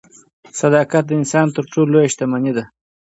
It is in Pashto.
صداقت د انسان تر ټولو لویه شتمني ده.